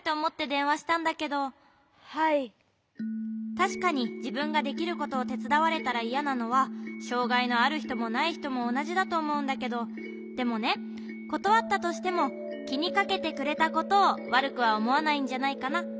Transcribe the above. たしかにじぶんができることをてつだわれたらいやなのはしょうがいのあるひともないひともおなじだとおもうんだけどでもねことわったとしてもきにかけてくれたことをわるくはおもわないんじゃないかな。